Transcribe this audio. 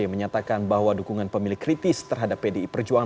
menyatakan bahwa dukungan pemilih kritis terhadap pdi perjuangan